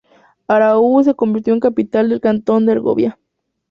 Aarau se convirtió en capital del cantón de Argovia.